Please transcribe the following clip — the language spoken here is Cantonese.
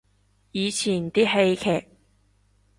以前啲戲劇